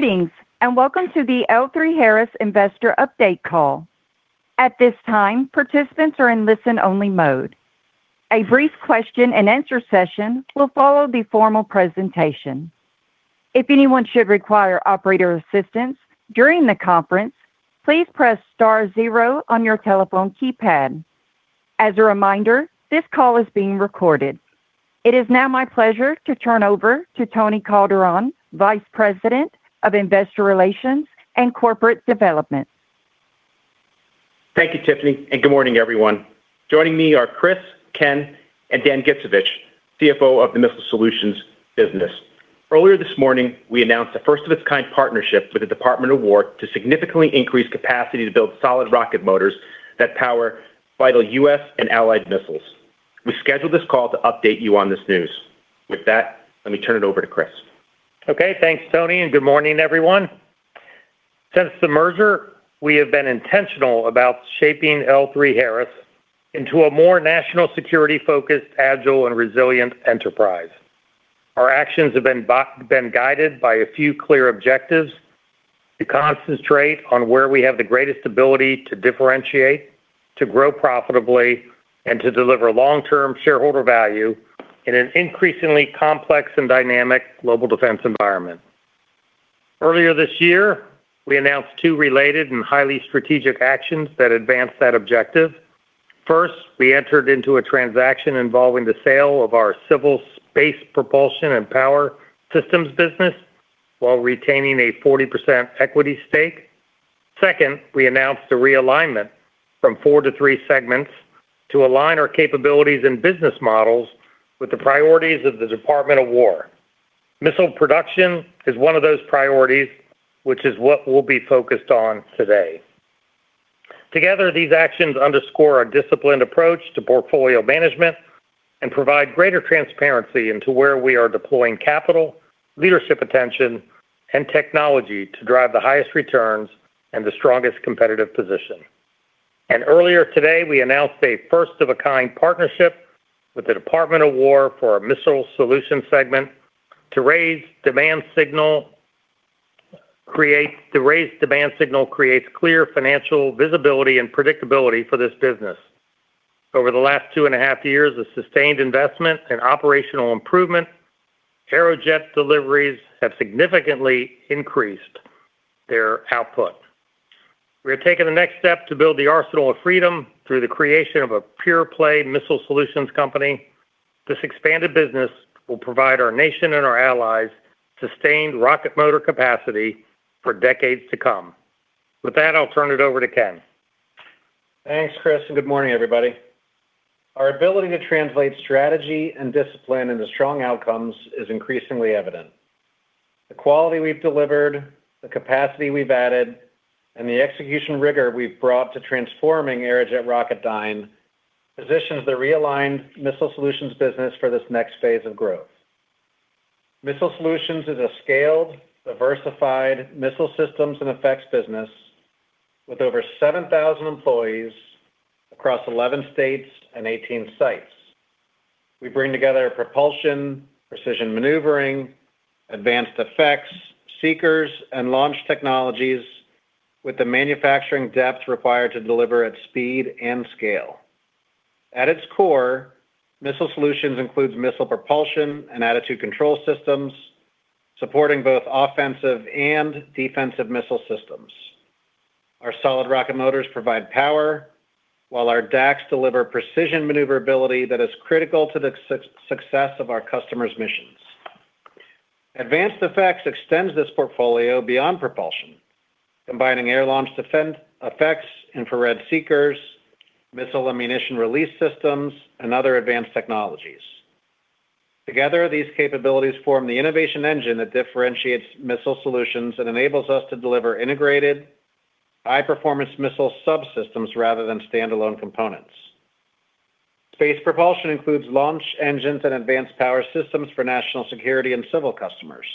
Greetings and welcome to the L3Harris investor update call. At this time, participants are in listen-only mode. A brief question-and-answer session will follow the formal presentation. If anyone should require operator assistance during the conference, please press star zero on your telephone keypad. As a reminder, this call is being recorded. It is now my pleasure to turn over to Tony Calderon, Vice President of Investor Relations and Corporate Development. Thank you, Tiffany, and good morning, everyone. Joining me are Chris, Ken, and Dan Gittsovich, CFO of the Missile Solutions business. Earlier this morning, we announced a first-of-its-kind partnership with the Department of War to significantly increase capacity to build solid rocket motors that power vital U.S. and allied missiles. We scheduled this call to update you on this news. With that, let me turn it over to Chris. Okay, thanks, Tony, and good morning, everyone. Since the merger, we have been intentional about shaping L3Harris into a more national security-focused, agile, and resilient enterprise. Our actions have been guided by a few clear objectives: to concentrate on where we have the greatest ability to differentiate, to grow profitably, and to deliver long-term shareholder value in an increasingly complex and dynamic global defense environment. Earlier this year, we announced two related and highly strategic actions that advanced that objective. First, we entered into a transaction involving the sale of our civil space propulsion and power systems business while retaining a 40% equity stake. Second, we announced a realignment from four to three segments to align our capabilities and business models with the priorities of the Department of War. Missile production is one of those priorities, which is what we'll be focused on today. Together, these actions underscore a disciplined approach to portfolio management and provide greater transparency into where we are deploying capital, leadership attention, and technology to drive the highest returns and the strongest competitive position. Earlier today, we announced a first-of-its-kind partnership with the Department of War for a missile solution segment to raise demand signal, creates clear financial visibility and predictability for this business. Over the last two and a half years of sustained investment and operational improvement, Aerojet deliveries have significantly increased their output. We are taking the next step to build the arsenal of freedom through the creation of a pure-play missile solutions company. This expanded business will provide our nation and our allies sustained rocket motor capacity for decades to come. With that, I'll turn it over to Ken. Thanks, Chris, and good morning, everybody. Our ability to translate strategy and discipline into strong outcomes is increasingly evident. The quality we've delivered, the capacity we've added, and the execution rigor we've brought to transforming Aerojet Rocketdyne positions the realigned Missile Solutions business for this next phase of growth. Missile Solutions is a scaled, diversified missile systems and effects business with over 7,000 employees across 11 states and 18 sites. We bring together propulsion, precision maneuvering, advanced effects, seekers, and launch technologies with the manufacturing depth required to deliver at speed and scale. At its core, Missile Solutions includes missile propulsion and attitude control systems, supporting both offensive and defensive missile systems. Our solid rocket motors provide power, while our DACS deliver precision maneuverability that is critical to the success of our customers' missions. Advanced effects extends this portfolio beyond propulsion, combining air launch defense effects, infrared seekers, missile ammunition release systems, and other advanced technologies. Together, these capabilities form the innovation engine that differentiates Missile Solutions and enables us to deliver integrated, high-performance missile subsystems rather than standalone components. Space propulsion includes launch engines and advanced power systems for national security and civil customers.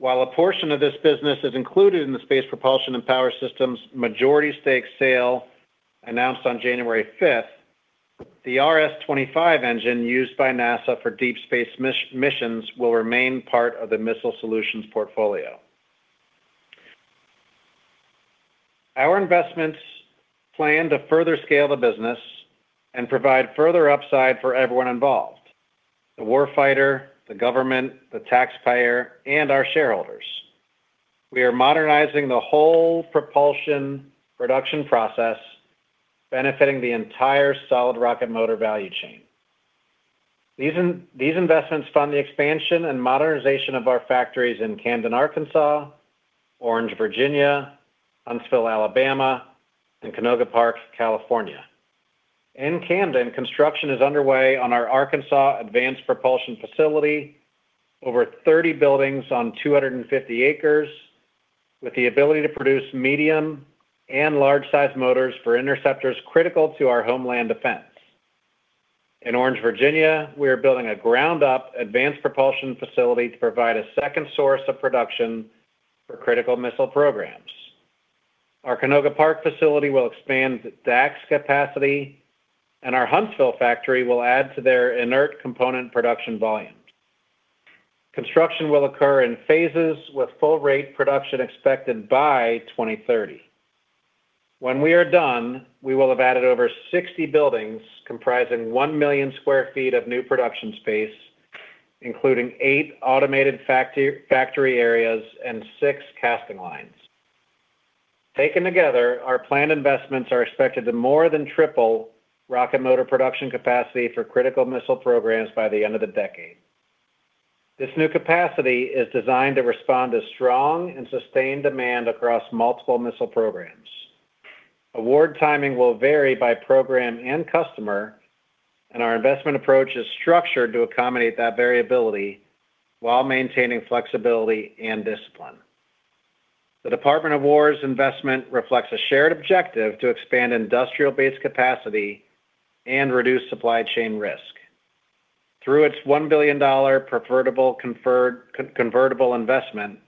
While a portion of this business is included in the space propulsion and power systems majority stake sale announced on January 5th, the RS-25 engine used by NASA for deep space missions will remain part of the Missile Solutions portfolio. Our investments plan to further scale the business and provide further upside for everyone involved: the warfighter, the government, the taxpayer, and our shareholders. We are modernizing the whole propulsion production process, benefiting the entire solid rocket motor value chain. These investments fund the expansion and modernization of our factories in Camden, Arkansas, Orange, Virginia, Huntsville, Alabama, and Canoga Park, California. In Camden, construction is underway on our Arkansas Advanced Propulsion facility, over 30 buildings on 250 acres, with the ability to produce medium and large-sized motors for interceptors critical to our homeland defense. In Orange, Virginia, we are building a ground-up advanced propulsion facility to provide a second source of production for critical missile programs. Our Canoga Park facility will expand DACS capacity, and our Huntsville factory will add to their inert component production volumes. Construction will occur in phases, with full-rate production expected by 2030. When we are done, we will have added over 60 buildings comprising 1 million sq ft of new production space, including eight automated factory areas and six casting lines. Taken together, our planned investments are expected to more than triple rocket motor production capacity for critical missile programs by the end of the decade. This new capacity is designed to respond to strong and sustained demand across multiple missile programs. Award timing will vary by program and customer, and our investment approach is structured to accommodate that variability while maintaining flexibility and discipline. The Department of War's investment reflects a shared objective to expand industrial base capacity and reduce supply chain risk. Through its $1 billion preferred convertible investment,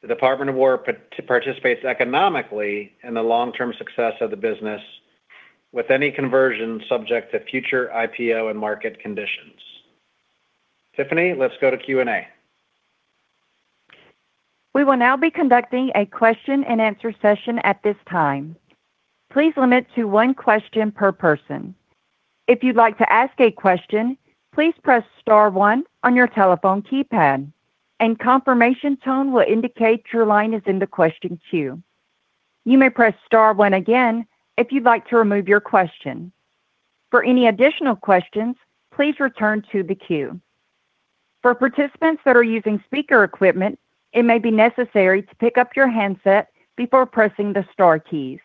the Department of War participates economically in the long-term success of the business, with any conversion subject to future IPO and market conditions. Tiffany, let's go to Q&A. We will now be conducting a question-and-answer session at this time. Please limit to one question per person. If you'd like to ask a question, please press star one on your telephone keypad, and confirmation tone will indicate your line is in the question queue. You may press star one again if you'd like to remove your question. For any additional questions, please return to the queue. For participants that are using speaker equipment, it may be necessary to pick up your handset before pressing the star keys.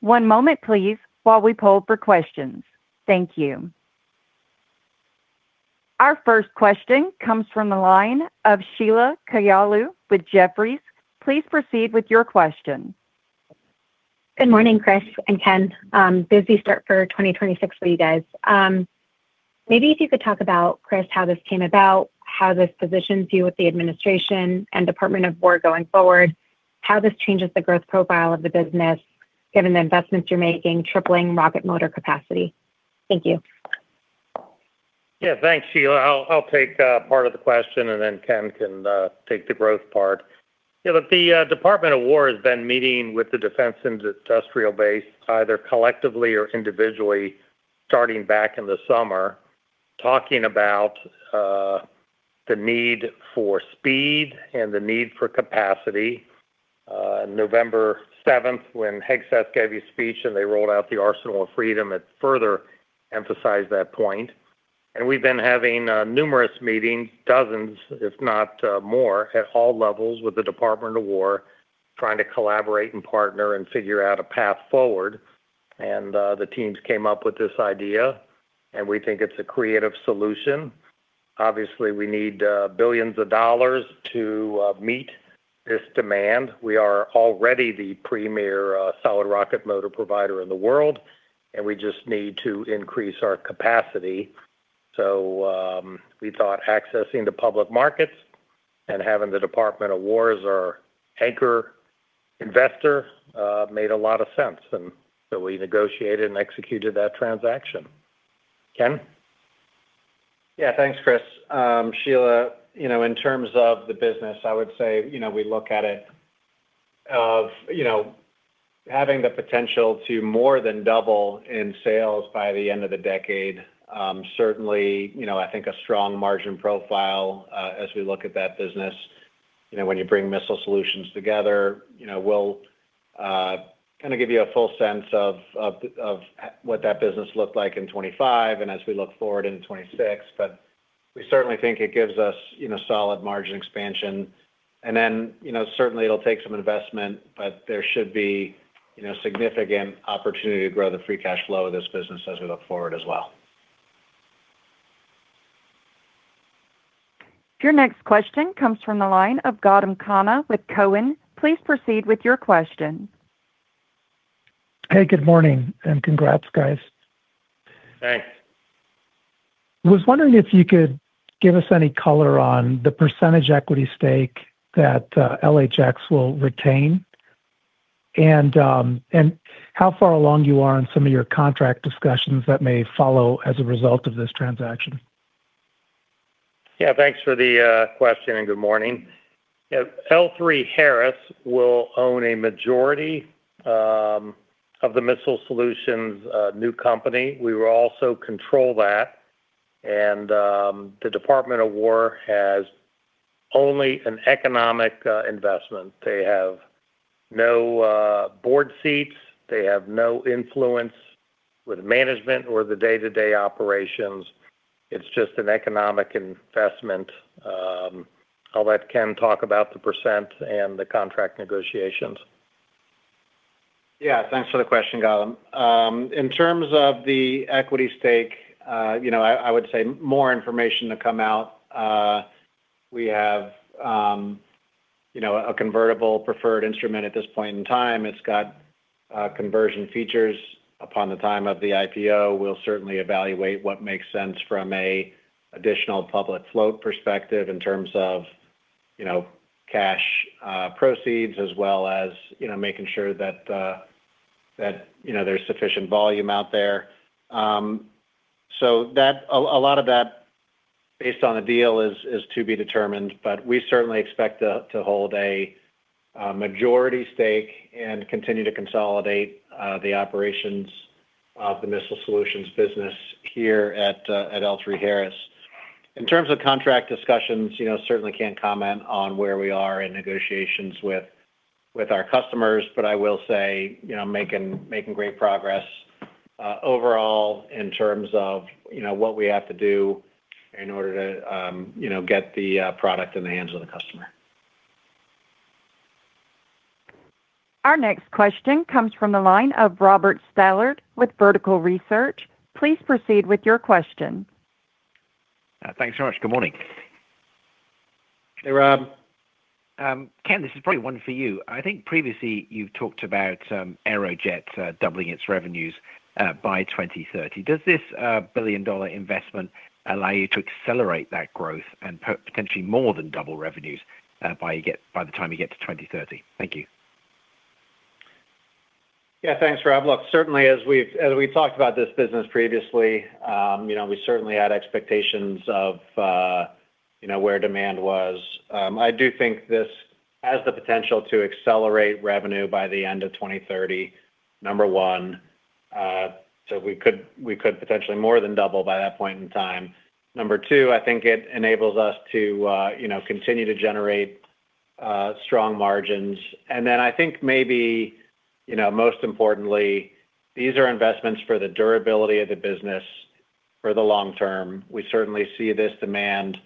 One moment, please, while we poll for questions. Thank you. Our first question comes from the line of Sheila Kahyaoglu with Jefferies. Please proceed with your question. Good morning, Chris and Ken. Busy start for 2026 for you guys. Maybe if you could talk about, Chris, how this came about, how this positions you with the administration and Department of War going forward, how this changes the growth profile of the business, given the investments you're making tripling rocket motor capacity? Thank you. Yeah, thanks, Sheila. I'll take part of the question, and then Ken can take the growth part. Yeah, the Department of War has been meeting with the defense industrial base either collectively or individually starting back in the summer, talking about the need for speed and the need for capacity. November 7th, when Hegseth gave his speech and they rolled out the Arsenal of Freedom, it further emphasized that point. And we've been having numerous meetings, dozens, if not more, at all levels with the Department of War, trying to collaborate and partner and figure out a path forward. And the teams came up with this idea, and we think it's a creative solution. Obviously, we need billions of dollars to meet this demand. We are already the premier solid rocket motor provider in the world, and we just need to increase our capacity. So we thought accessing the public markets and having the Department of War as our anchor investor made a lot of sense. And so we negotiated and executed that transaction. Ken? Yeah, thanks, Chris. Sheila, in terms of the business, I would say we look at it of having the potential to more than double in sales by the end of the decade. Certainly, I think a strong margin profile as we look at that business. When you bring Missile Solutions together, we'll kind of give you a full sense of what that business looked like in 2025 and as we look forward into 2026. But we certainly think it gives us solid margin expansion. And then certainly it'll take some investment, but there should be significant opportunity to grow the free cash flow of this business as we look forward as well. Your next question comes from the line of Gautam Khanna with Cowen. Please proceed with your question. Hey, good morning, and congrats, guys. Thanks. I was wondering if you could give us any color on the percentage equity stake that LHX will retain and how far along you are in some of your contract discussions that may follow as a result of this transaction? Yeah, thanks for the question and good morning. L3Harris will own a majority of the Missile Solutions new company. We will also control that, and the Department of War has only an economic investment. They have no board seats. They have no influence with management or the day-to-day operations. It's just an economic investment. I'll let Ken talk about the percent and the contract negotiations. Yeah, thanks for the question, Gautam. In terms of the equity stake, I would say more information to come out. We have a convertible preferred instrument at this point in time. It's got conversion features. Upon the time of the IPO, we'll certainly evaluate what makes sense from an additional public float perspective in terms of cash proceeds, as well as making sure that there's sufficient volume out there. So a lot of that, based on the deal, is to be determined. But we certainly expect to hold a majority stake and continue to consolidate the operations of the Missile Solutions business here at L3Harris. In terms of contract discussions, certainly can't comment on where we are in negotiations with our customers, but I will say making great progress overall in terms of what we have to do in order to get the product in the hands of the customer. Our next question comes from the line of Robert Stallard with Vertical Research. Please proceed with your question. Thanks so much. Good morning. Hey, Rob. Ken, this is probably one for you. I think previously you've talked about Aerojet doubling its revenues by 2030. Does this $1 billion investment allow you to accelerate that growth and potentially more than double revenues by the time you get to 2030? Thank you. Yeah, thanks, Rob. Look, certainly, as we talked about this business previously, we certainly had expectations of where demand was. I do think this has the potential to accelerate revenue by the end of 2030, number one. So we could potentially more than double by that point in time. Number two, I think it enables us to continue to generate strong margins. And then I think maybe most importantly, these are investments for the durability of the business for the long term. We certainly see this demand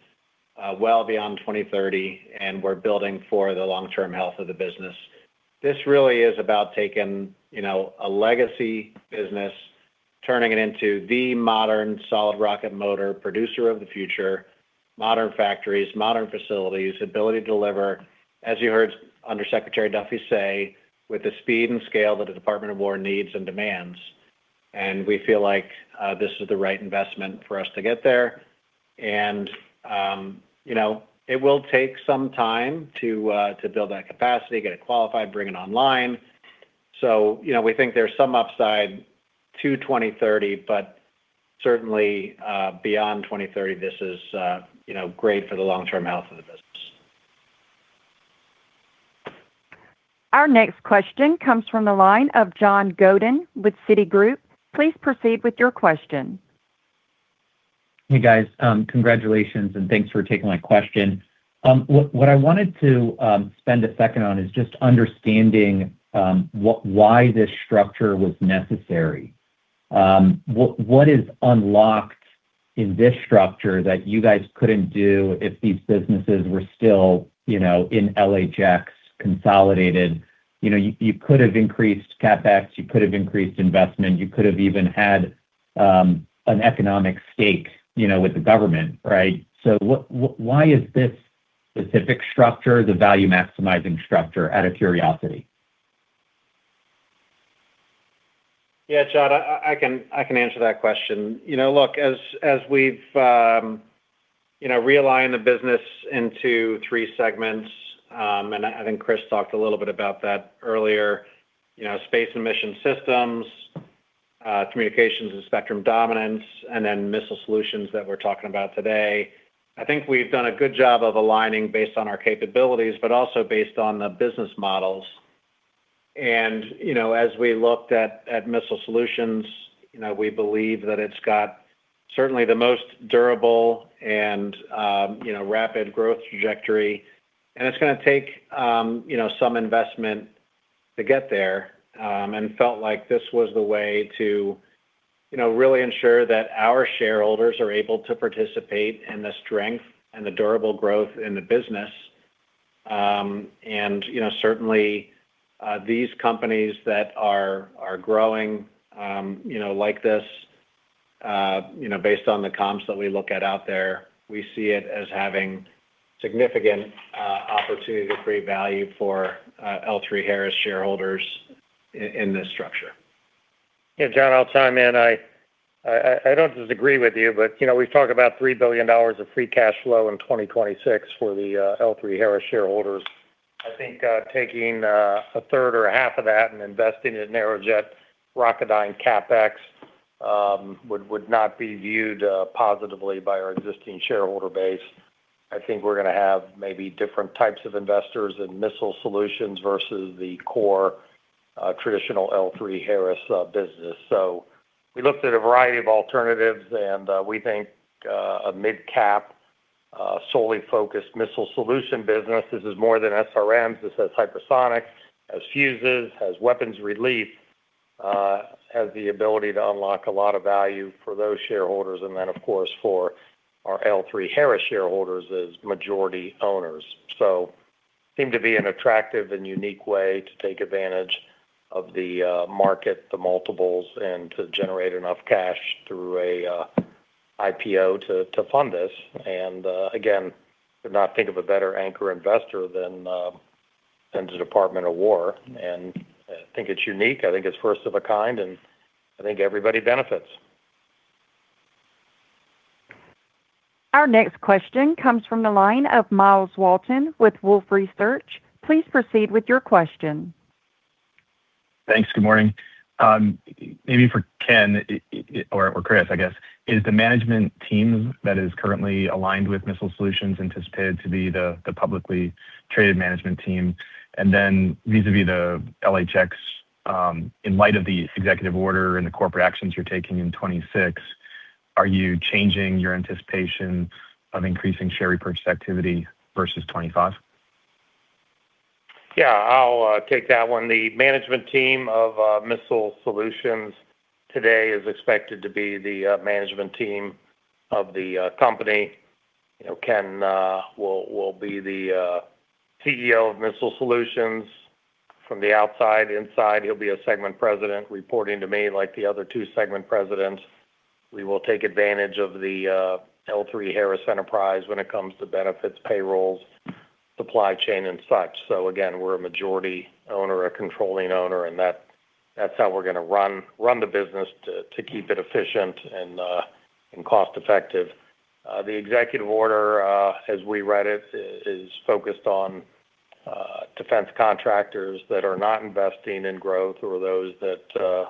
well beyond 2030, and we're building for the long-term health of the business. This really is about taking a legacy business, turning it into the modern solid rocket motor producer of the future, modern factories, modern facilities, ability to deliver, as you heard Undersecretary Duffy say, with the speed and scale that the Department of War needs and demands. And we feel like this is the right investment for us to get there. And it will take some time to build that capacity, get it qualified, bring it online. So we think there's some upside to 2030, but certainly beyond 2030, this is great for the long-term health of the business. Our next question comes from the line of John Godyn with Citigroup. Please proceed with your question. Hey, guys. Congratulations, and thanks for taking my question. What I wanted to spend a second on is just understanding why this structure was necessary. What is unlocked in this structure that you guys couldn't do if these businesses were still in LHX consolidated? You could have increased CapEx. You could have increased investment. You could have even had an economic stake with the government, right? So why is this specific structure, the value maximizing structure, out of curiosity? Yeah, John, I can answer that question. Look, as we've realigned the business into three segments, and I think Chris talked a little bit about that earlier, space and mission systems, communications and spectrum dominance, and then Missile Solutions that we're talking about today. I think we've done a good job of aligning based on our capabilities, but also based on the business models. And as we looked at Missile Solutions, we believe that it's got certainly the most durable and rapid growth trajectory. And it's going to take some investment to get there. And felt like this was the way to really ensure that our shareholders are able to participate in the strength and the durable growth in the business. And certainly, these companies that are growing like this, based on the comps that we look at out there, we see it as having significant opportunity to create value for L3Harris shareholders in this structure. Yeah, John, I'll chime in. I don't disagree with you, but we've talked about $3 billion of free cash flow in 2026 for the L3Harris shareholders. I think taking a third or a half of that and investing it in Aerojet Rocketdyne CapEx would not be viewed positively by our existing shareholder base. I think we're going to have maybe different types of investors in Missile Solutions versus the core traditional L3Harris business. So we looked at a variety of alternatives, and we think a mid-cap solely focused missile solution business, this is more than SRMs. This has hypersonics, has fuses, has weapons release, has the ability to unlock a lot of value for those shareholders. And then, of course, for our L3Harris shareholders as majority owners. So it seemed to be an attractive and unique way to take advantage of the market, the multiples, and to generate enough cash through an IPO to fund this. And again, could not think of a better anchor investor than the Department of War. And I think it's unique. I think it's first of a kind, and I think everybody benefits. Our next question comes from the line of Miles Walton with Wolfe Research. Please proceed with your question. Thanks. Good morning. Maybe for Ken or Chris, I guess, is the management team that is currently aligned with Missile Solutions anticipated to be the publicly traded management team? And then vis-à-vis the LHX, in light of the executive order and the corporate actions you're taking in 2026, are you changing your anticipation of increasing share repurchase activity versus 2025? Yeah, I'll take that one. The management team of Missile Solutions today is expected to be the management team of the company. Ken will be the CEO of Missile Solutions from the outside. Inside, he'll be a segment president reporting to me like the other two segment presidents. We will take advantage of the L3Harris enterprise when it comes to benefits, payrolls, supply chain, and such. So again, we're a majority owner, a controlling owner, and that's how we're going to run the business to keep it efficient and cost-effective. The executive order, as we read it, is focused on defense contractors that are not investing in growth or those that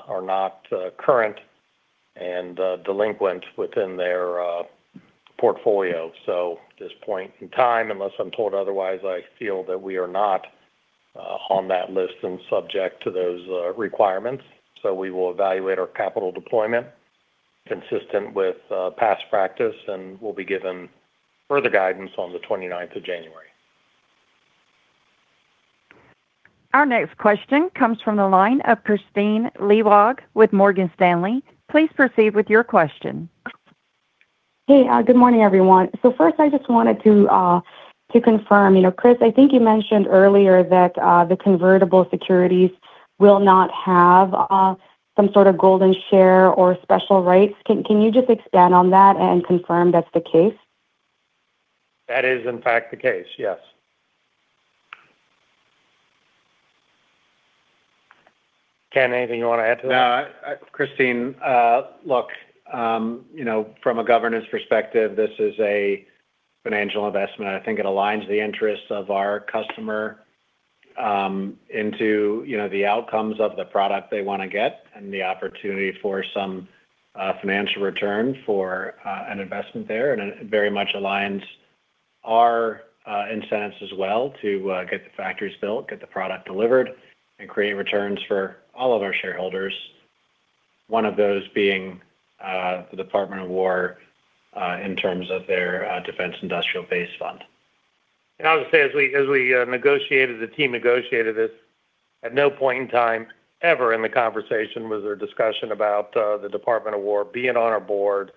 are not current and delinquent within their portfolio. So at this point in time, unless I'm told otherwise, I feel that we are not on that list and subject to those requirements. So we will evaluate our capital deployment consistent with past practice, and we'll be given further guidance on the 29th of January. Our next question comes from the line of Kristine Liwag with Morgan Stanley. Please proceed with your question. Hey, good morning, everyone. So first, I just wanted to confirm, Chris, I think you mentioned earlier that the convertible securities will not have some sort of golden share or special rights. Can you just expand on that and confirm that's the case? That is, in fact, the case. Yes. Ken, anything you want to add to that? No, Christine, look, from a governance perspective, this is a financial investment. I think it aligns the interests of our customer into the outcomes of the product they want to get and the opportunity for some financial return for an investment there. And it very much aligns our incentives as well to get the factories built, get the product delivered, and create returns for all of our shareholders, one of those being the Department of War in terms of their defense industrial base fund. I would say as we negotiated, the team negotiated this, at no point in time ever in the conversation was there a discussion about the Department of War being on our board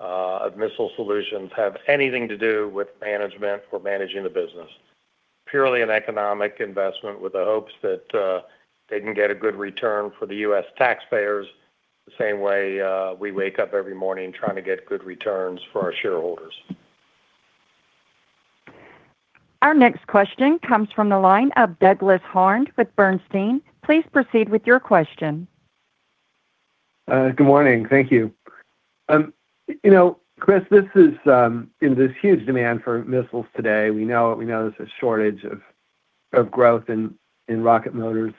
of Missile Solutions have anything to do with management or managing the business. Purely an economic investment with the hopes that they can get a good return for the U.S. taxpayers the same way we wake up every morning trying to get good returns for our shareholders. Our next question comes from the line of Douglas Harned with Bernstein. Please proceed with your question. Good morning. Thank you. Chris, there's this huge demand for missiles today. We know there's a shortage and growth in rocket motors.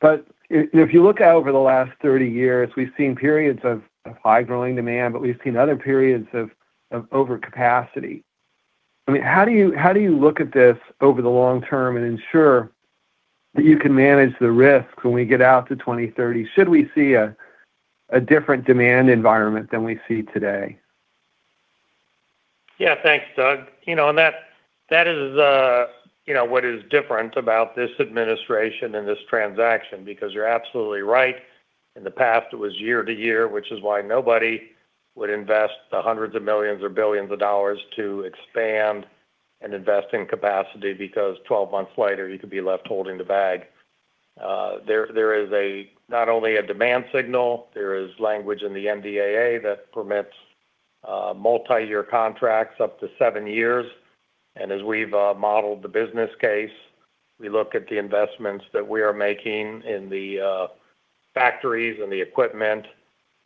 But if you look over the last 30 years, we've seen periods of high growing demand, but we've seen other periods of overcapacity. I mean, how do you look at this over the long term and ensure that you can manage the risks when we get out to 2030? Should we see a different demand environment than we see today? Yeah, thanks, Doug. And that is what is different about this administration and this transaction because you're absolutely right. In the past, it was year to year, which is why nobody would invest the hundreds of millions or billions of dollars to expand and invest in capacity because 12 months later, you could be left holding the bag. There is not only a demand signal. There is language in the NDAA that permits multi-year contracts up to seven years. And as we've modeled the business case, we look at the investments that we are making in the factories and the equipment,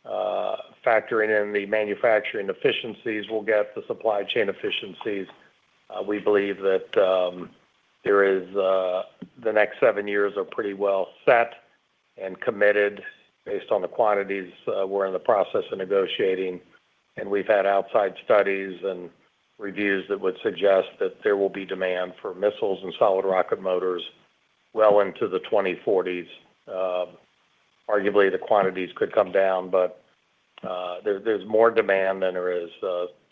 factoring in the manufacturing efficiencies. We'll get the supply chain efficiencies. We believe that the next seven years are pretty well set and committed based on the quantities we're in the process of negotiating. And we've had outside studies and reviews that would suggest that there will be demand for missiles and solid rocket motors well into the 2040s. Arguably, the quantities could come down, but there's more demand than there is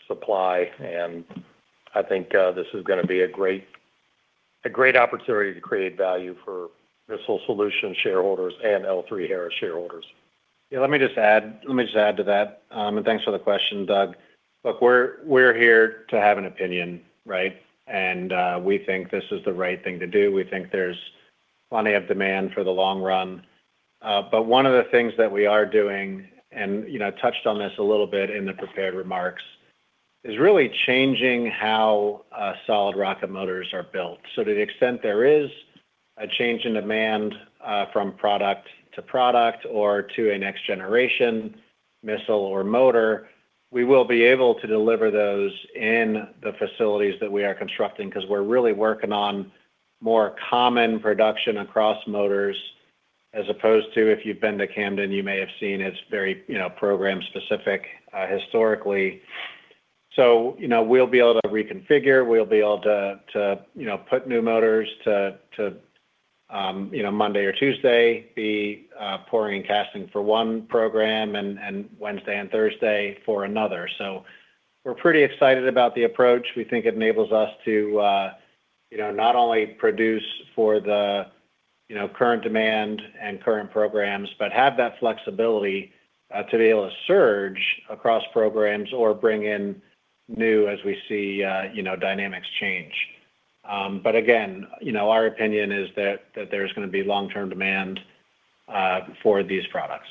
supply. And I think this is going to be a great opportunity to create value for Missile Solutions shareholders and L3Harris shareholders. Yeah, let me just add to that. And thanks for the question, Doug. Look, we're here to have an opinion, right? And we think this is the right thing to do. We think there's plenty of demand for the long run. But one of the things that we are doing, and I touched on this a little bit in the prepared remarks, is really changing how solid rocket motors are built. So to the extent there is a change in demand from product to product or to a next-generation missile or motor, we will be able to deliver those in the facilities that we are constructing because we're really working on more common production across motors as opposed to, if you've been to Camden, you may have seen it's very program-specific historically. So we'll be able to reconfigure. We'll be able to put new motors to Monday or Tuesday, be pouring and casting for one program and Wednesday and Thursday for another. So we're pretty excited about the approach. We think it enables us to not only produce for the current demand and current programs, but have that flexibility to be able to surge across programs or bring in new as we see dynamics change. But again, our opinion is that there's going to be long-term demand for these products.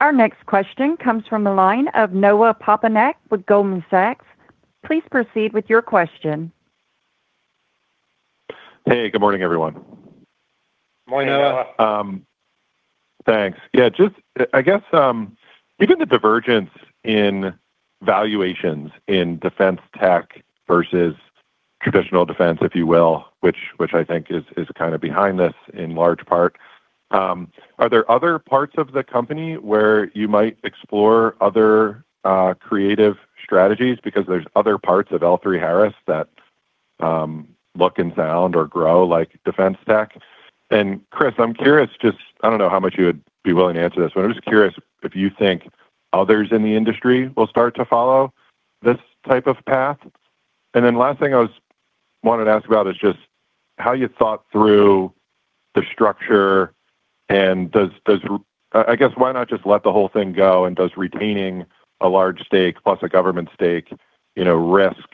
Our next question comes from the line of Noah Poponak with Goldman Sachs. Please proceed with your question. Hey, good morning, everyone. Good morning, Noah. Thanks. Yeah, just I guess even the divergence in valuations in defense tech versus traditional defense, if you will, which I think is kind of behind this in large part. Are there other parts of the company where you might explore other creative strategies because there's other parts of L3Harris that look and sound or grow like defense tech? And Chris, I'm curious, just I don't know how much you would be willing to answer this, but I'm just curious if you think others in the industry will start to follow this type of path. And then last thing I wanted to ask about is just how you thought through the structure and does, I guess, why not just let the whole thing go? And does retaining a large stake plus a government stake risk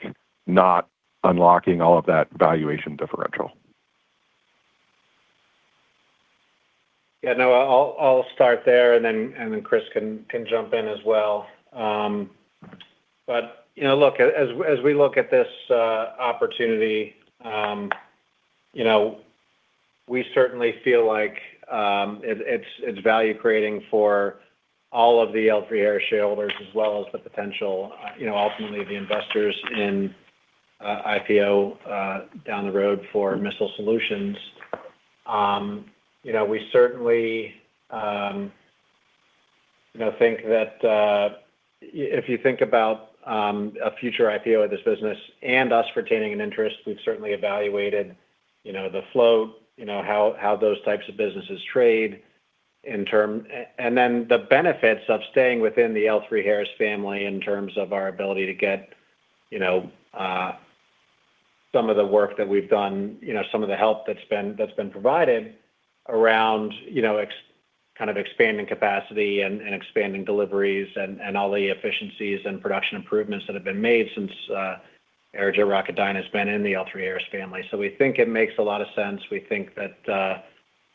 not unlocking all of that valuation differential? Yeah, no, I'll start there, and then Chris can jump in as well. But look, as we look at this opportunity, we certainly feel like it's value-creating for all of the L3Harris shareholders as well as the potential, ultimately, the investors in IPO down the road for Missile Solutions. We certainly think that if you think about a future IPO of this business and us retaining an interest, we've certainly evaluated the flow, how those types of businesses trade in terms and then the benefits of staying within the L3Harris family in terms of our ability to get some of the work that we've done, some of the help that's been provided around kind of expanding capacity and expanding deliveries and all the efficiencies and production improvements that have been made since Aerojet Rocketdyne has been in the L3Harris family. So we think it makes a lot of sense. We think that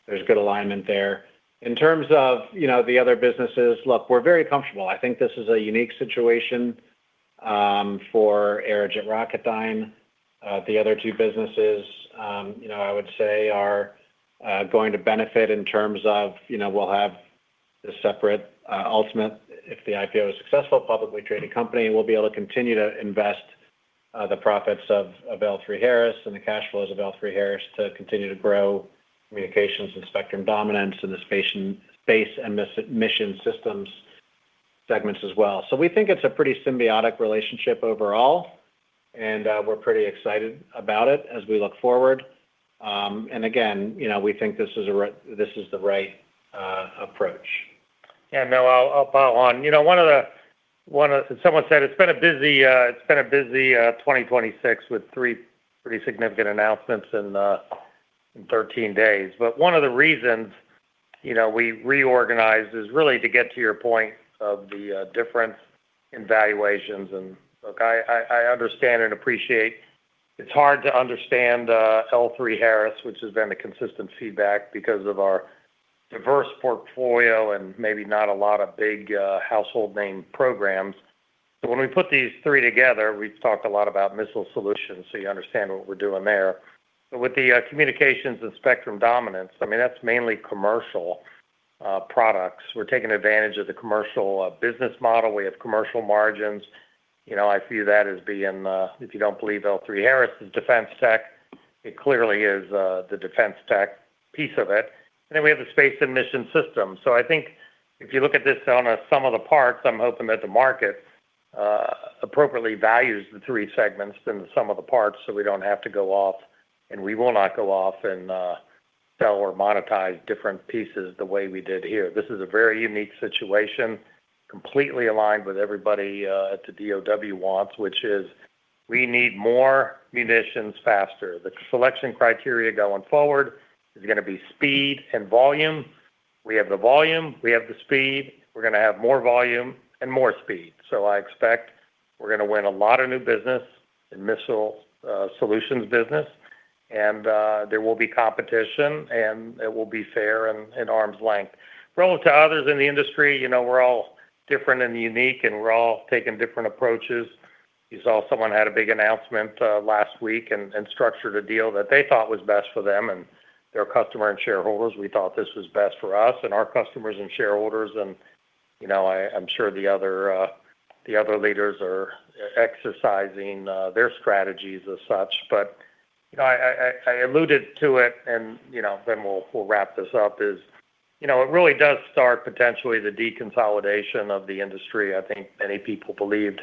there's good alignment there. In terms of the other businesses, look, we're very comfortable. I think this is a unique situation for Aerojet Rocketdyne. The other two businesses, I would say, are going to benefit in terms of we'll have a separate, ultimately, if the IPO is successful, publicly traded company. We'll be able to continue to invest the profits of L3Harris and the cash flows of L3Harris to continue to grow communications and spectrum dominance in the space and mission systems segments as well. So we think it's a pretty symbiotic relationship overall, and we're pretty excited about it as we look forward. And again, we think this is the right approach. Yeah, no, I'll bow out. One of them said it's been a busy 2026 with three pretty significant announcements in 13 days. But one of the reasons we reorganized is really to get to your point of the difference in valuations. And look, I understand and appreciate it's hard to understand L3Harris, which has been a consistent feedback because of our diverse portfolio and maybe not a lot of big household name programs. But when we put these three together, we've talked a lot about Missile Solutions, so you understand what we're doing there. But with the communications and spectrum dominance, I mean, that's mainly commercial products. We're taking advantage of the commercial business model. We have commercial margins. I view that as being if you don't believe L3Harris is defense tech, it clearly is the defense tech piece of it. And then we have the space and mission system. So I think if you look at this on a sum of the parts, I'm hoping that the market appropriately values the three segments and the sum of the parts so we don't have to go off, and we will not go off and sell or monetize different pieces the way we did here. This is a very unique situation, completely aligned with everybody at the DoD wants, which is we need more munitions faster. The selection criteria going forward is going to be speed and volume. We have the volume. We have the speed. We're going to have more volume and more speed. So I expect we're going to win a lot of new business in Missile Solutions business, and there will be competition, and it will be fair and arm's length. Relative to others in the industry, we're all different and unique, and we're all taking different approaches. You saw someone had a big announcement last week and structured a deal that they thought was best for them and their customer and shareholders. We thought this was best for us and our customers and shareholders. And I'm sure the other leaders are exercising their strategies as such. But I alluded to it, and then we'll wrap this up. It really does start potentially the deconsolidation of the industry. I think many people believed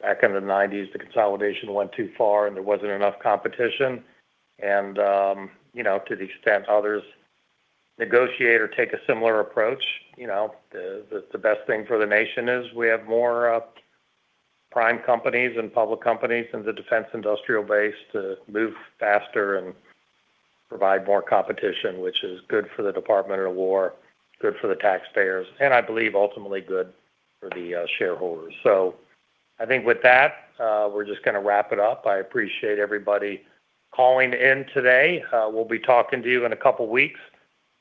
back in the '90s the consolidation went too far and there wasn't enough competition. And to the extent others negotiate or take a similar approach, the best thing for the nation is we have more prime companies and public companies in the defense industrial base to move faster and provide more competition, which is good for the Department of War, good for the taxpayers, and I believe ultimately good for the shareholders. So I think with that, we're just going to wrap it up. I appreciate everybody calling in today. We'll be talking to you in a couple of weeks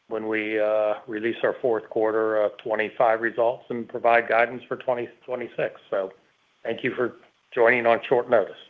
when we release our fourth quarter 2025 results and provide guidance for 2026. So thank you for joining on short notice.